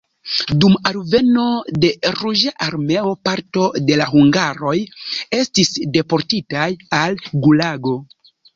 Dum alveno de Ruĝa Armeo parto de la hungaroj estis deportitaj al gulago.